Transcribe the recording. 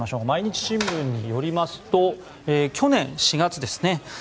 毎日新聞によりますと去年４月ですね